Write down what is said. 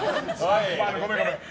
ごめん、ごめん。